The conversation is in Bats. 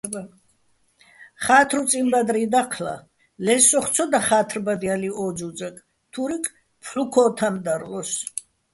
ხა́თრუწიჼ ბადრი დაჴლა, ლე სოხ ცო დახა́თრბადჲალიჼ ო ძუძაკ, თურიკ ფჰ̦უ-ქო́თამ დარლოსო̆.